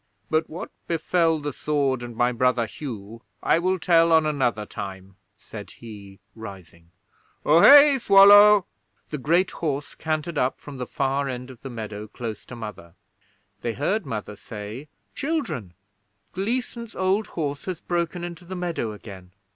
'But what befell the sword and my brother Hugh I will tell on another time,' said he, rising. 'Ohé, Swallow!' The great horse cantered up from the far end of the meadow, close to Mother. They heard Mother say: 'Children, Gleason's old horse has broken into the meadow again.